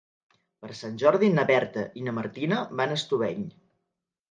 Per Sant Jordi na Berta i na Martina van a Estubeny.